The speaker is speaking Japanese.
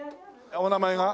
お名前が？